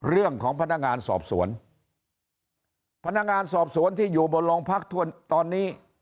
เรื่องของพนักงานสอบสวนพนักงานสอบสวนที่อยู่บนโรงพักตอนนี้